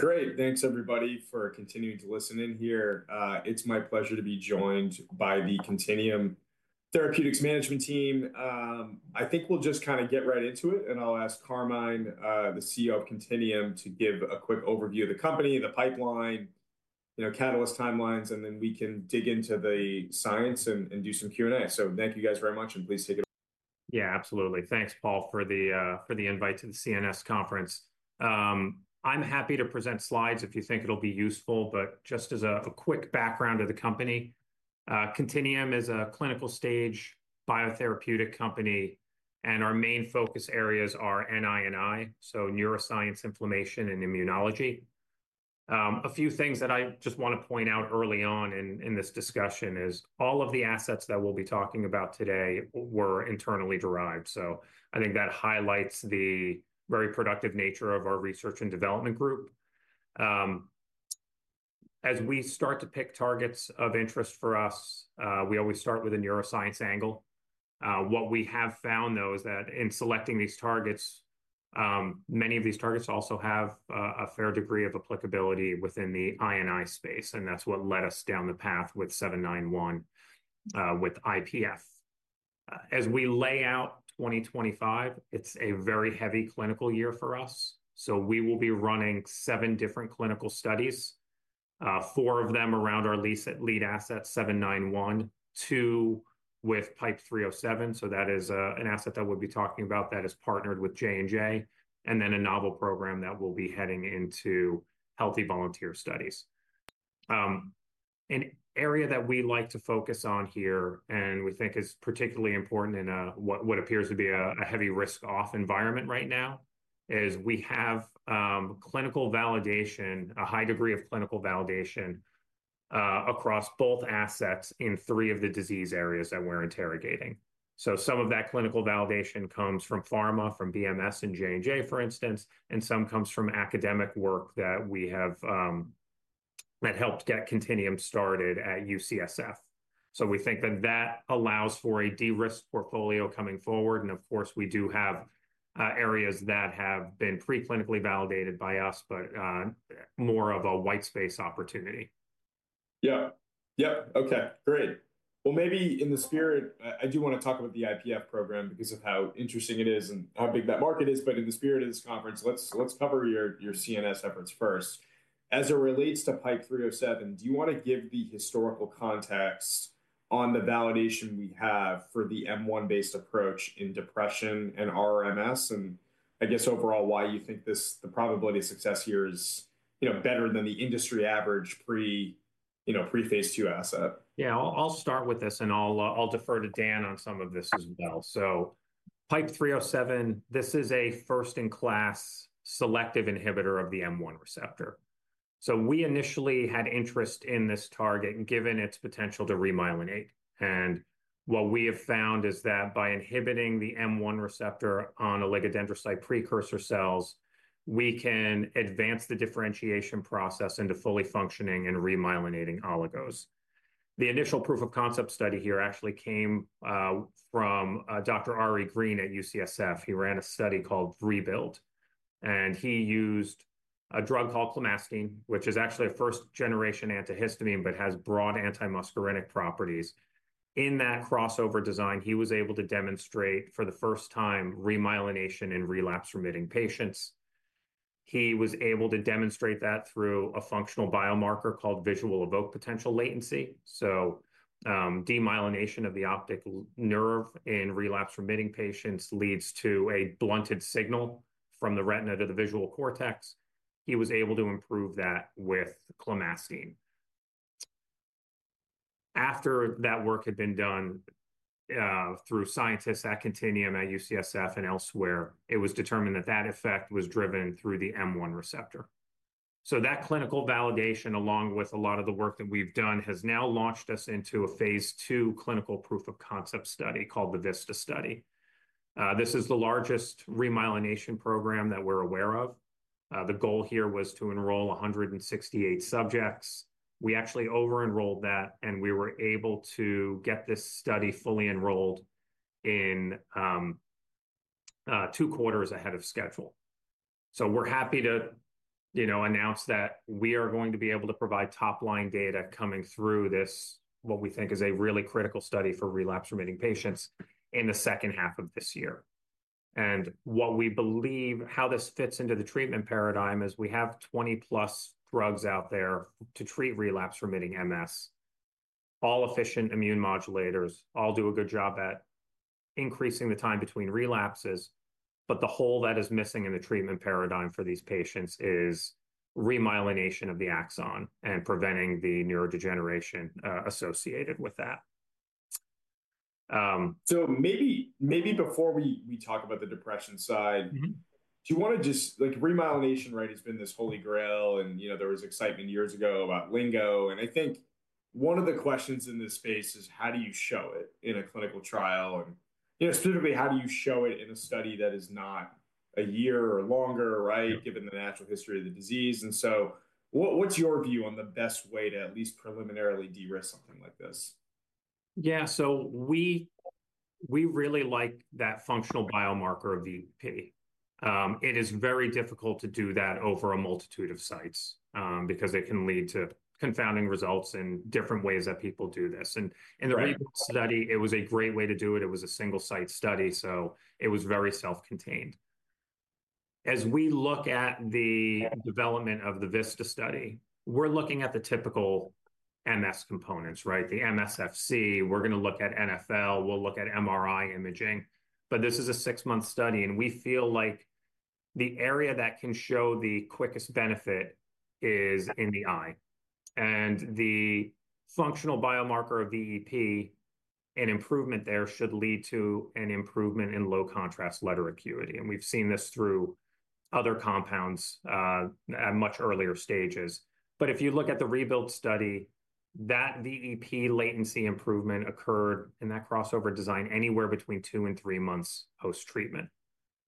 Great. Thanks, everybody, for continuing to listen in here. It's my pleasure to be joined by the Contineum Therapeutics Management Team. I think we'll just kind of get right into it, and I'll ask Carmine, the CEO of Contineum, to give a quick overview of the company, the pipeline, you know, catalyst timelines, and then we can dig into the science and do some Q&A. Thank you guys very much, and please take it. Yeah, absolutely. Thanks, Paul, for the invite to the CNS conference. I'm happy to present slides if you think it'll be useful, but just as a quick background of the company, Contineum is a clinical stage biotherapeutic company, and our main focus areas are NI&I, so neuroscience, inflammation, and immunology. A few things that I just want to point out early on in this discussion is all of the assets that we'll be talking about today were internally derived. I think that highlights the very productive nature of our research and development group. As we start to pick targets of interest for us, we always start with a neuroscience angle. What we have found, though, is that in selecting these targets, many of these targets also have a fair degree of applicability within the NI&I space, and that's what led us down the path with 791, with IPF. As we lay out 2025, it's a very heavy clinical year for us. We will be running seven different clinical studies, four of them around our lead asset, 791, two with PIPE-307. That is an asset that we'll be talking about that is partnered with J&J, and then a novel program that we'll be heading into healthy volunteer studies. An area that we like to focus on here, and we think is particularly important in what appears to be a heavy risk-off environment right now, is we have clinical validation, a high degree of clinical validation across both assets in three of the disease areas that we're interrogating. Some of that clinical validation comes from pharma, from BMS and J&J, for instance, and some comes from academic work that we have that helped get Contineum started at UCSF. We think that that allows for a de-risk portfolio coming forward. Of course, we do have areas that have been preclinically validated by us, but more of a white space opportunity. Yeah. Yep. Okay. Great. Maybe in the spirit, I do want to talk about the IPF program because of how interesting it is and how big that market is. In the spirit of this conference, let's cover your CNS efforts first. As it relates to PIPE-307, do you want to give the historical context on the validation we have for the M1-based approach in depression and RRMS? I guess overall, why you think the probability of success here is better than the industry average pre-phase II asset. Yeah, I'll start with this, and I'll defer to Dan on some of this as well. PIPE-307, this is a first-in-class selective inhibitor of the M1 receptor. We initially had interest in this target given its potential to remyelinate. What we have found is that by inhibiting the M1 receptor on oligodendrocyte precursor cells, we can advance the differentiation process into fully functioning and remyelinating oligos. The initial proof of concept study here actually came from Dr. Ari Green at UCSF. He ran a study called REBUILD, and he used a drug called clemastine, which is actually a first-generation antihistamine but has broad anti-muscarinic properties. In that crossover design, he was able to demonstrate for the first time remyelination in relapsing-remitting patients. He was able to demonstrate that through a functional biomarker called Visual Evoked Potential Latency. Demyelination of the optic nerve in relapsing-remitting patients leads to a blunted signal from the retina to the visual cortex. He was able to improve that with clemastine. After that work had been done through scientists at Contineum at UCSF and elsewhere, it was determined that that effect was driven through the M1 receptor. That clinical validation, along with a lot of the work that we've done, has now launched us into a phase II clinical proof of concept study called the VISTA study. This is the largest remyelination program that we're aware of. The goal here was to enroll 168 subjects. We actually over-enrolled that, and we were able to get this study fully enrolled two quarters ahead of schedule. We are happy to announce that we are going to be able to provide top-line data coming through this, what we think is a really critical study for relapsing-remitting patients in the second half of this year. What we believe, how this fits into the treatment paradigm is we have 20-plus drugs out there to treat relapsing-remitting MS, all efficient immune modulators, all do a good job at increasing the time between relapses, but the hole that is missing in the treatment paradigm for these patients is remyelination of the axon and preventing the neurodegeneration associated with that. Maybe before we talk about the depression side, do you want to just, remyelination, right, has been this holy grail, and there was excitement years ago about lingo. I think one of the questions in this space is, how do you show it in a clinical trial? Specifically, how do you show it in a study that is not a year or longer, right, given the natural history of the disease? What is your view on the best way to at least preliminarily de-risk something like this? Yeah. We really like that functional biomarker of VEP. It is very difficult to do that over a multitude of sites because it can lead to confounding results in different ways that people do this. In the REBUILD study, it was a great way to do it. It was a single-site study, so it was very self-contained. As we look at the development of the VISTA study, we're looking at the typical MS components, right? The MSFC, we're going to look at NfL, we'll look at MRI imaging, but this is a six-month study, and we feel like the area that can show the quickest benefit is in the eye. The functional biomarker of VEP, an improvement there should lead to an improvement in low-contrast letter acuity. We've seen this through other compounds at much earlier stages. If you look at the REBUILD study, that VEP latency improvement occurred in that crossover design anywhere between two and three months post-treatment.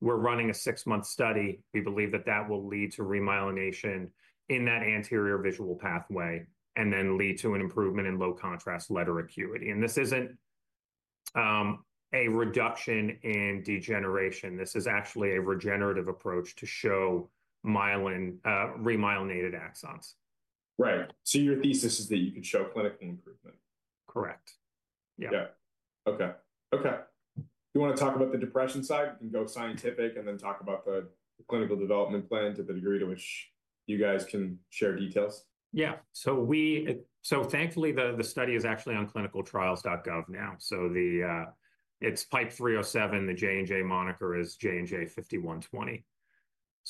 We're running a 6-month study. We believe that that will lead to remyelination in that anterior visual pathway and then lead to an improvement in low-contrast letter acuity. This isn't a reduction in degeneration. This is actually a regenerative approach to show remyelinated axons. Right. So your thesis is that you could show clinical improvement. Correct. Yeah. Yeah. Okay. Okay. Do you want to talk about the depression side? We can go scientific and then talk about the clinical development plan to the degree to which you guys can share details. Yeah. Thankfully, the study is actually on clinicaltrials.gov now. It is PIPE-307. The J&J moniker is JNJ-5120.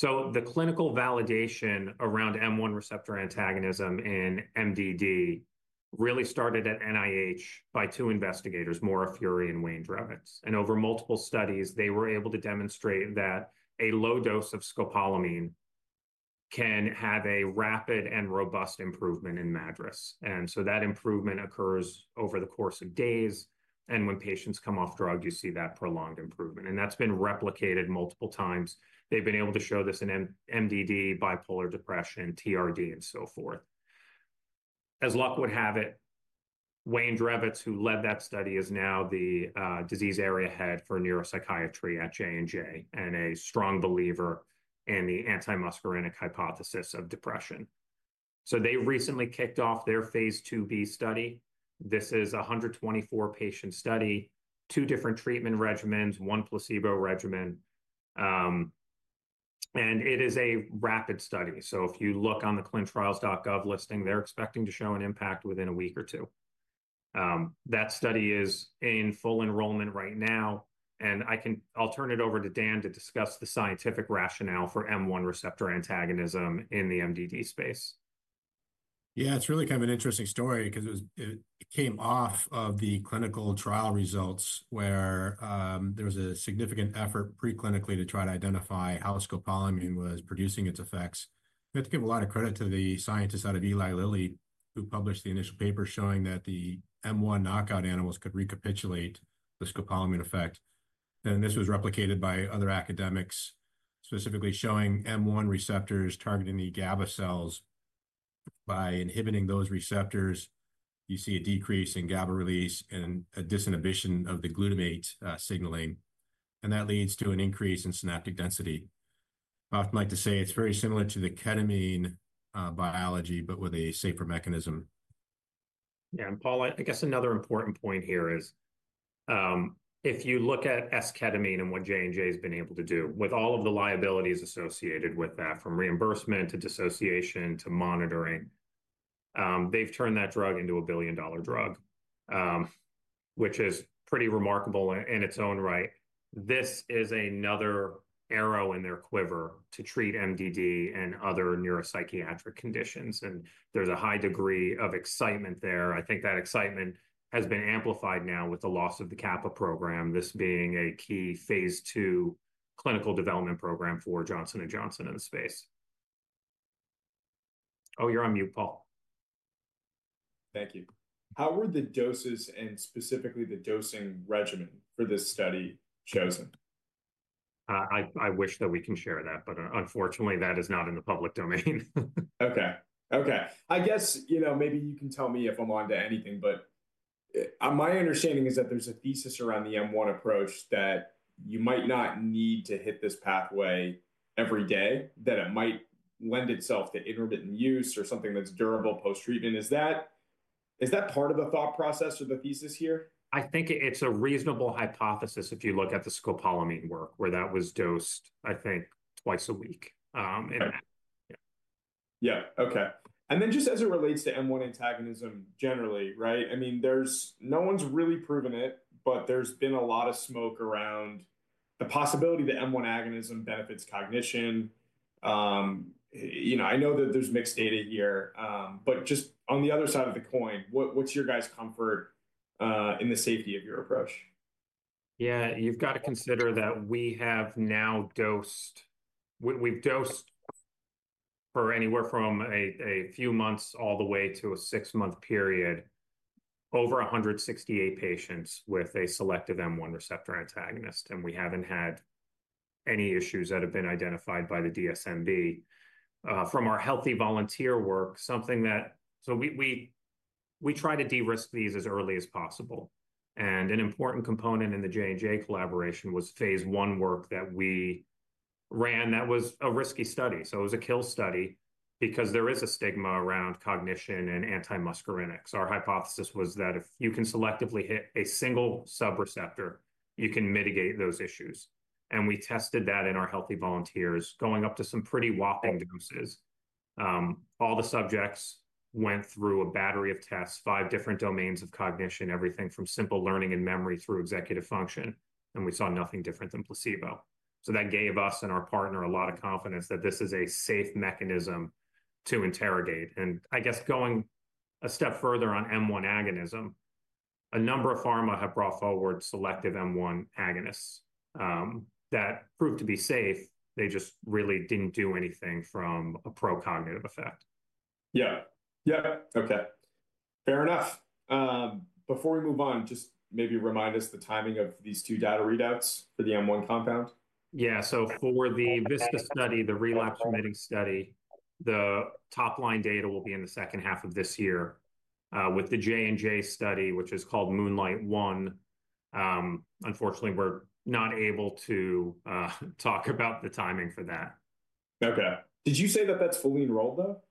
The clinical validation around M1 receptor antagonism in MDD really started at NIH by two investigators, Maura Furey and Wayne Drevets. Over multiple studies, they were able to demonstrate that a low dose of scopolamine can have a rapid and robust improvement in MADRS. That improvement occurs over the course of days. When patients come off drugs, you see that prolonged improvement. That has been replicated multiple times. They have been able to show this in MDD, bipolar depression, TRD, and so forth. As luck would have it, Wayne Drevets, who led that study, is now the disease area head for neuropsychiatry at J&J and a strong believer in the anti-muscarinic hypothesis of depression. They recently kicked off their phase IIB study. This is a 124-patient study, two different treatment regimens, one placebo regimen. It is a rapid study. If you look on the ClinicalTrials.gov listing, they're expecting to show an impact within a week or two. That study is in full enrollment right now. I'll turn it over to Dan to discuss the scientific rationale for M1 receptor antagonism in the MDD space. Yeah, it's really kind of an interesting story because it came off of the clinical trial results where there was a significant effort preclinically to try to identify how scopolamine was producing its effects. We have to give a lot of credit to the scientists out of Eli Lilly, who published the initial paper showing that the M1 knockout animals could recapitulate the scopolamine effect. This was replicated by other academics, specifically showing M1 receptors targeting the GABA cells. By inhibiting those receptors, you see a decrease in GABA release and a disinhibition of the glutamate signaling. That leads to an increase in synaptic density. I'd like to say it's very similar to the ketamine biology, but with a safer mechanism. Yeah. Paul, I guess another important point here is if you look at esketamine and what J&J has been able to do with all of the liabilities associated with that, from reimbursement to dissociation to monitoring, they've turned that drug into a billion-dollar drug, which is pretty remarkable in its own right. This is another arrow in their quiver to treat MDD and other neuropsychiatric conditions. There's a high degree of excitement there. I think that excitement has been amplified now with the loss of the Kappa program, this being a key phase II clinical development program for Johnson & Johnson in the space. Oh, you're on mute, Paul. Thank you. How were the doses and specifically the dosing regimen for this study chosen? I wish that we can share that, but unfortunately, that is not in the public domain. Okay. Okay. I guess maybe you can tell me if I'm on to anything, but my understanding is that there's a thesis around the M1 approach that you might not need to hit this pathway every day, that it might lend itself to intermittent use or something that's durable post-treatment. Is that part of the thought process or the thesis here? I think it's a reasonable hypothesis if you look at the scopolamine work where that was dosed, I think, twice a week. Yeah. Okay. And then just as it relates to M1 antagonism generally, right? I mean, no one's really proven it, but there's been a lot of smoke around the possibility that M1 agonism benefits cognition. I know that there's mixed data here, but just on the other side of the coin, what's your guys' comfort in the safety of your approach? Yeah. You've got to consider that we have now dosed for anywhere from a few months all the way to a 6-month period, over 168 patients with a selective M1 receptor antagonist. We haven't had any issues that have been identified by the DSMB. From our healthy volunteer work, we try to de-risk these as early as possible. An important component in the J&J collaboration was phase I work that we ran that was a risky study. It was a kill study because there is a stigma around cognition and anti-muscarinics. Our hypothesis was that if you can selectively hit a single sub-receptor, you can mitigate those issues. We tested that in our healthy volunteers going up to some pretty whopping doses. All the subjects went through a battery of tests, five different domains of cognition, everything from simple learning and memory through executive function. We saw nothing different than placebo. That gave us and our partner a lot of confidence that this is a safe mechanism to interrogate. I guess going a step further on M1 agonism, a number of pharma have brought forward selective M1 agonists that proved to be safe. They just really did not do anything from a pro-cognitive effect. Yeah. Yeah. Okay. Fair enough. Before we move on, just maybe remind us the timing of these two data readouts for the M1 compound. Yeah. For the VISTA study, the relapse-remitting study, the top-line data will be in the second half of this year with the J&J study, which is called Moonlight One. Unfortunately, we're not able to talk about the timing for that. Okay. Did you say that that's fully enrolled, though?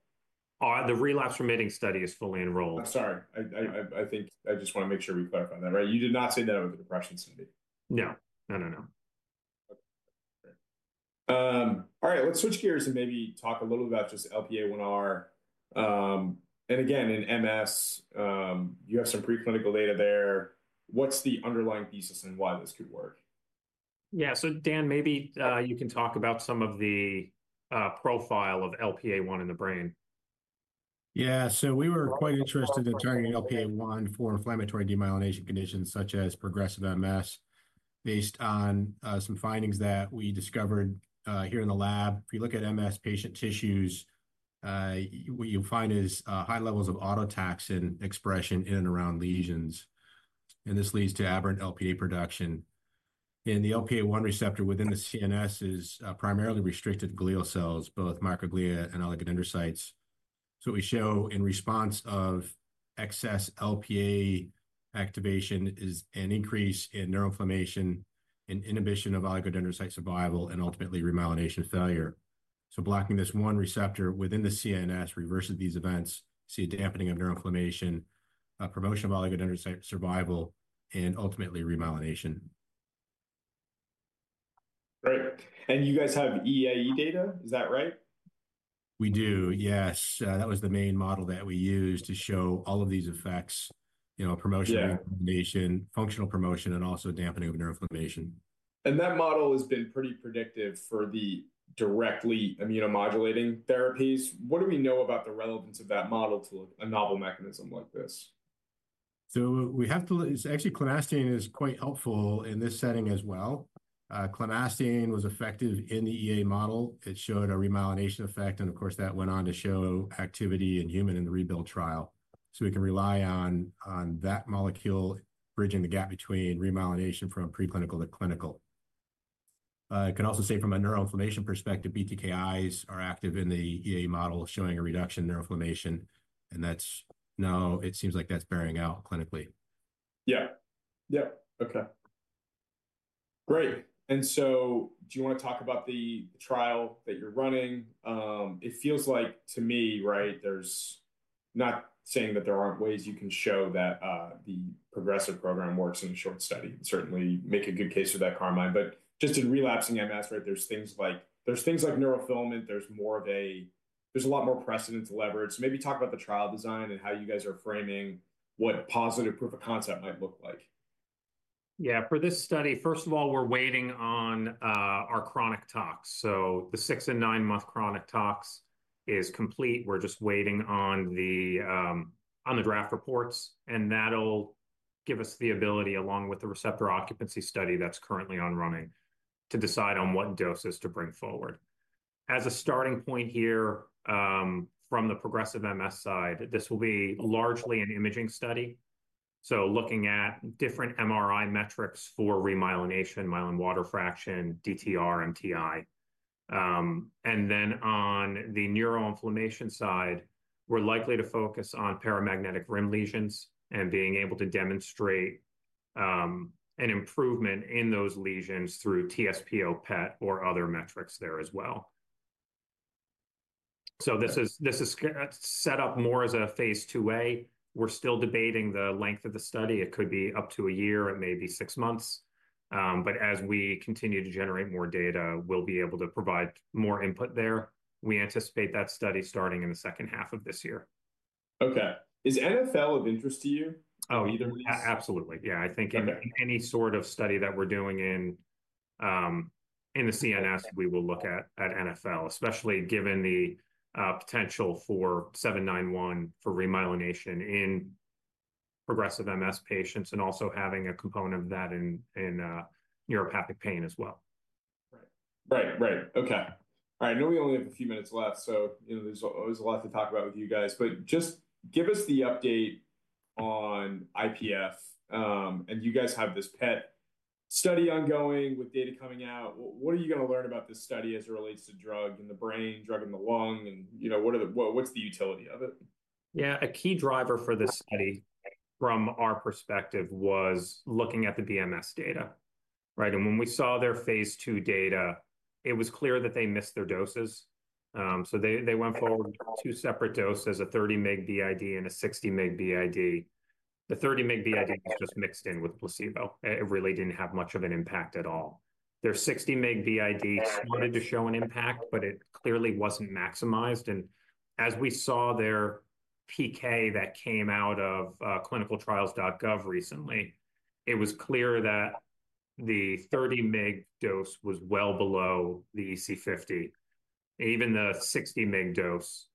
The relapsing-remitting study is fully enrolled. I'm sorry. I think I just want to make sure we clarify that, right? You did not say that it was a depression study. No. No, no. Okay. All right. Let's switch gears and maybe talk a little about just LPA1. And again, in MS, you have some preclinical data there. What's the underlying thesis and why this could work? Yeah. Dan, maybe you can talk about some of the profile of LPA1 in the brain. Yeah. We were quite interested in targeting LPA1 for inflammatory demyelination conditions such as progressive MS based on some findings that we discovered here in the lab. If you look at MS patient tissues, what you'll find is high levels of autotaxin expression in and around lesions. This leads to aberrant LPA production. The LPA1 receptor within the CNS is primarily restricted to glial cells, both microglia and oligodendrocytes. What we show in response to excess LPA activation is an increase in neuroinflammation and inhibition of oligodendrocyte survival and ultimately remyelination failure. Blocking this one receptor within the CNS reverses these events, you see a dampening of neuroinflammation, a promotion of oligodendrocyte survival, and ultimately remyelination. Great. You guys have EAE data, is that right? We do, yes. That was the main model that we used to show all of these effects, promotion of remyelination, functional promotion, and also dampening of neuroinflammation. That model has been pretty predictive for the directly immunomodulating therapies. What do we know about the relevance of that model to a novel mechanism like this? We have to, it's actually clemastine is quite helpful in this setting as well. Clemastine was effective in the EAE model. It showed a remyelination effect. Of course, that went on to show activity in humans in the REBUILD trial. We can rely on that molecule bridging the gap between remyelination from preclinical to clinical. I can also say from a neuroinflammation perspective, BTKIs are active in the EAE model showing a reduction in neuroinflammation. That now, it seems like that's bearing out clinically. Yeah. Yeah. Okay. Great. Do you want to talk about the trial that you're running? It feels like to me, right, there's not saying that there aren't ways you can show that the progressive program works in a short study. Certainly make a good case for that, Carmine. Just in relapsing MS, right, there's things like there's things like neurofilament. There's more of a there's a lot more precedent to leverage. Maybe talk about the trial design and how you guys are framing what positive proof of concept might look like. Yeah. For this study, first of all, we're waiting on our chronic tox. The 6 and 9-month chronic tox is complete. We're just waiting on the draft reports. That'll give us the ability, along with the receptor occupancy study that's currently running, to decide on what doses to bring forward. As a starting point here from the progressive MS side, this will be largely an imaging study. Looking at different MRI metrics for remyelination, myelin water fraction, MTR, MTI. On the neuroinflammation side, we're likely to focus on paramagnetic rim lesions and being able to demonstrate an improvement in those lesions through TSPO-PET or other metrics there as well. This is set up more as a phase II A. We're still debating the length of the study. It could be up to a year. It may be 6 months. As we continue to generate more data, we'll be able to provide more input there. We anticipate that study starting in the second half of this year. Okay. Is NFL of interest to you? Oh, absolutely. Yeah. I think any sort of study that we're doing in the CNS, we will look at NFL, especially given the potential for 791 for remyelination in progressive MS patients and also having a component of that in neuropathic pain as well. Right. Right. Right. Okay. All right. I know we only have a few minutes left. There is always a lot to talk about with you guys. Just give us the update on IPF. You guys have this PET study ongoing with data coming out. What are you going to learn about this study as it relates to drug in the brain, drug in the lung? What is the utility of it? Yeah. A key driver for this study from our perspective was looking at the BMS data, right? When we saw their phase II data, it was clear that they missed their doses. They went forward with two separate doses, a 30-mg BID and a 60-mg BID. The 30-mg BID was just mixed in with placebo. It really did not have much of an impact at all. Their 60-mg BID started to show an impact, but it clearly was not maximized. As we saw their PK that came out of clinicaltrials.gov recently, it was clear that the 30-mg dose was well below the EC50. Even the 60-mg dose,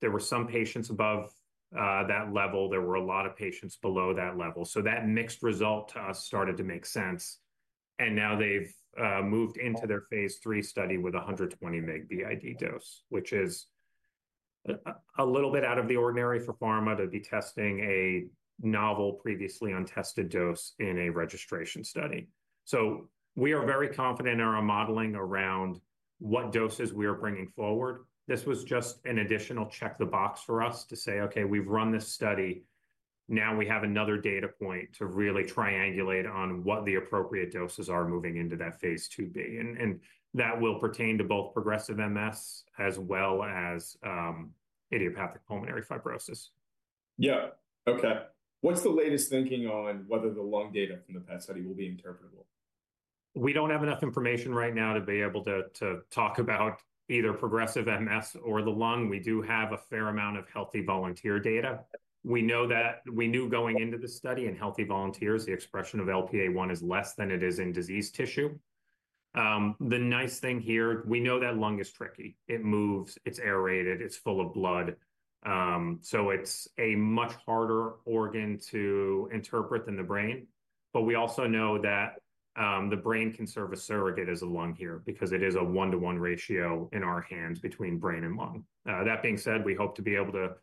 there were some patients above that level. There were a lot of patients below that level. That mixed result to us started to make sense. They have now moved into their phase three study with a 120 mg BID dose, which is a little bit out of the ordinary for pharma to be testing a novel previously untested dose in a registration study. We are very confident in our modeling around what doses we are bringing forward. This was just an additional check-the-box for us to say, "Okay, we've run this study. Now we have another data point to really triangulate on what the appropriate doses are moving into that phase II B." That will pertain to both progressive MS as well as idiopathic pulmonary fibrosis. Yeah. Okay. What's the latest thinking on whether the lung data from the PET study will be interpretable? We don't have enough information right now to be able to talk about either progressive MS or the lung. We do have a fair amount of healthy volunteer data. We knew going into the study in healthy volunteers, the expression of LPA1 is less than it is in disease tissue. The nice thing here, we know that lung is tricky. It moves. It's aerated. It's full of blood. It is a much harder organ to interpret than the brain. We also know that the brain can serve a surrogate as a lung here because it is a one-to-one ratio in our hands between brain and lung. That being said, we hope to be able to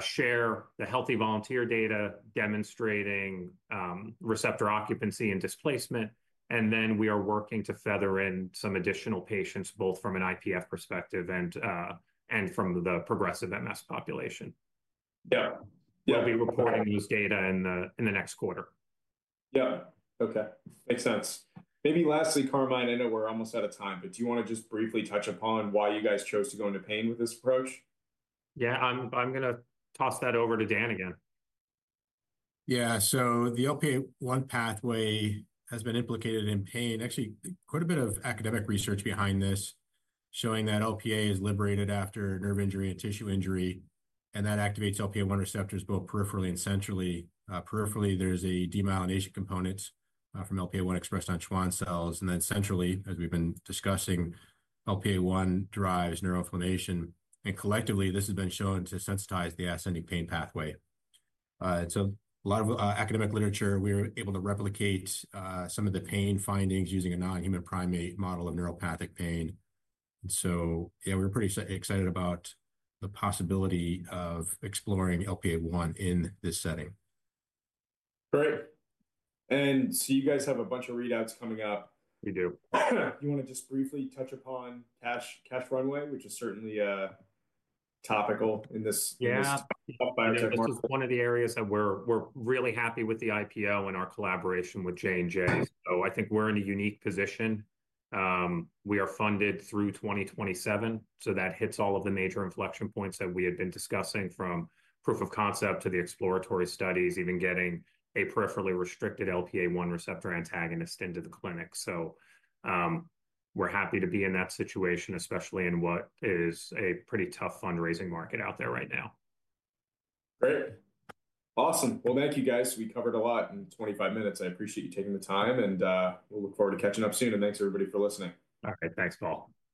share the healthy volunteer data demonstrating receptor occupancy and displacement. We are working to feather in some additional patients both from an IPF perspective and from the progressive MS population. Yeah. Yeah. We'll be reporting those data in the next quarter. Yeah. Okay. Makes sense. Maybe lastly, Carmine, I know we're almost out of time, but do you want to just briefly touch upon why you guys chose to go into pain with this approach? Yeah. I'm going to toss that over to Dan again. Yeah. The LPA1 pathway has been implicated in pain. Actually, quite a bit of academic research behind this showing that LPA is liberated after nerve injury and tissue injury. That activates LPA1 receptors both peripherally and centrally. Peripherally, there is a demyelination component from LPA1 expressed on Schwann cells. Centrally, as we have been discussing, LPA1 drives neuroinflammation. Collectively, this has been shown to sensitize the ascending pain pathway. A lot of academic literature, we were able to replicate some of the pain findings using a non-human primate model of neuropathic pain. Yeah, we are pretty excited about the possibility of exploring LPA1 in this setting. Great. You guys have a bunch of readouts coming up. We do. Do you want to just briefly touch upon cash runway, which is certainly topical in this biotech market? Yeah. This is one of the areas that we're really happy with the IPO and our collaboration with J&J. I think we're in a unique position. We are funded through 2027. That hits all of the major inflection points that we had been discussing from proof of concept to the exploratory studies, even getting a peripherally restricted LPA1 receptor antagonist into the clinic. We're happy to be in that situation, especially in what is a pretty tough fundraising market out there right now. Great. Awesome. Thank you, guys. We covered a lot in 25 minutes. I appreciate you taking the time. We will look forward to catching up soon. Thanks, everybody, for listening. All right. Thanks, Paul.